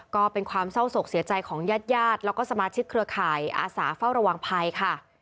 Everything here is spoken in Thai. ก็เป็นความเศร้าศกเสียใจของญาติญาติแล้วก็สมาชิกเครือข่ายอาสาเฝ้าระวังภัยค่ะ